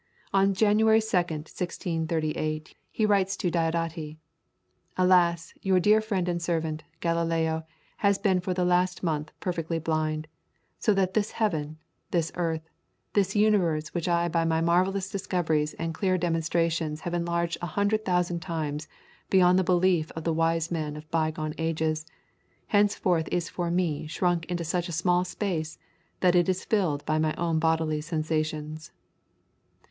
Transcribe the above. On January 2nd, 1638, he writes to Diodati: "Alas, your dear friend and servant, Galileo, has been for the last month perfectly blind, so that this heaven, this earth, this universe which I by my marvellous discoveries and clear demonstrations have enlarged a hundred thousand times beyond the belief of the wise men of bygone ages, henceforward is for me shrunk into such a small space as is filled by my own bodily sensations."